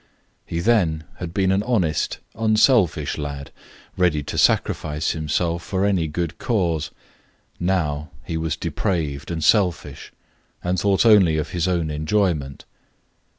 He then had been an honest, unselfish lad, ready to sacrifice himself for any good cause; now he was depraved and selfish, and thought only of his own enjoyment.